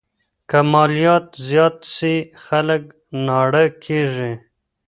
که مالیات زیات سي خلګ ناړه کیږي.